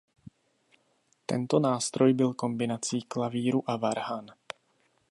Tento nástroj byl kombinací klavíru a varhan.